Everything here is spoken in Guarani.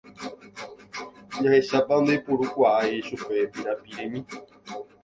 Jahechápa ndoipurukái chupe pirapiremi.